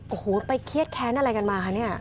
โอ้โหไปเครียดแค้นอะไรกันมาคะเนี่ย